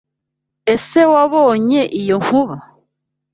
Ese Wabonye iyo nkuba?